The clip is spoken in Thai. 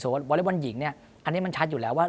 วรรดิบัตรหญิงอันนี้มันชัดอยู่แล้วว่า